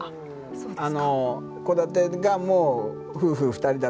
そうですね。